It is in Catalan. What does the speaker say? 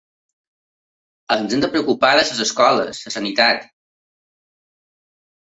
Ens hem de preocupar de les escoles, la sanitat.